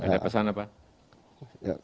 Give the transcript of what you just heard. ada pesan apa